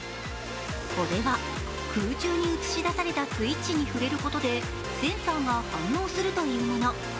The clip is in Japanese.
これは空中に映し出されたスイッチに触れることでセンサーが反応するというもの。